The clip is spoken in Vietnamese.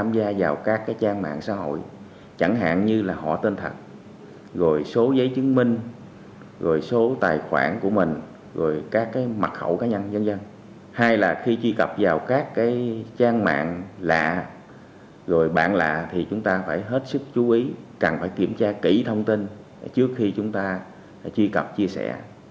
bạn lạ thì chúng ta phải hết sức chú ý cần phải kiểm tra kỹ thông tin trước khi chúng ta truy cập chia sẻ